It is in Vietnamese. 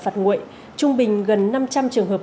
phạt nguội trung bình gần năm trăm linh trường hợp